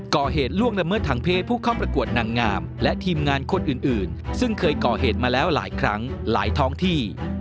ล่วงละเมิดทางเพศผู้เข้าประกวดนางงามและทีมงานคนอื่นซึ่งเคยก่อเหตุมาแล้วหลายครั้งหลายท้องที่